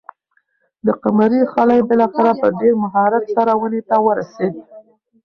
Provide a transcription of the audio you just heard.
د قمرۍ خلی بالاخره په ډېر مهارت سره ونې ته ورسېد.